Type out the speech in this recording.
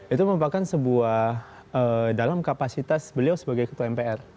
itu merupakan sebuah dalam kapasitas beliau sebagai ketua mpr